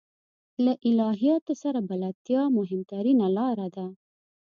له الهیاتو سره بلدتیا مهمترینه لاره ده.